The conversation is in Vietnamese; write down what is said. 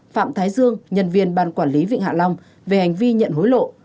phạm thái dương nhân viên ban quản lý vịnh hạ long về hành vi nhận hối lộ